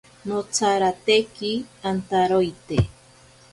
Notsarateki antaroite.